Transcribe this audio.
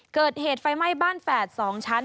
เกิดเหตุไฟไหม้บ้านแฝด๒ชั้น